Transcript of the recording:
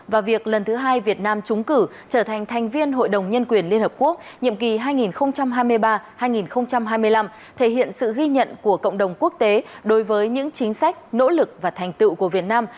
và việc lần thứ hai việt nam trúng cử trở thành thành viên hội đồng nhân quyền liên hợp quốc nhiệm kỳ hai nghìn hai mươi ba hai nghìn hai mươi năm thể hiện sự ghi nhận của cộng đồng quốc tế đối với những chính sách nỗ lực và thành tựu của việt nam